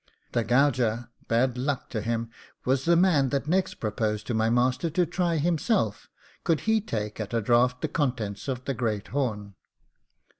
The gauger bad luck to him! was the man that next proposed to my master to try himself, could he take at a draught the contents of the great horn.